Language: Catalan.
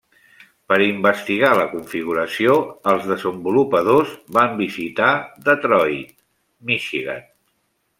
Per investigar la configuració, els desenvolupadors van visitar Detroit, Michigan.